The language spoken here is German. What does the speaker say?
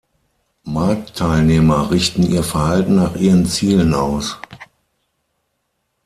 Marktteilnehmer richten ihr Verhalten nach ihren Zielen aus.